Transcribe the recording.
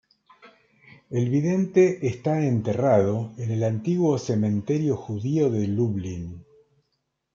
El vidente está enterrado en el antiguo cementerio judío de Lublin.